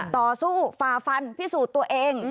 ต่อสู้ฝ่าฟันพิสูจน์ตัวเอง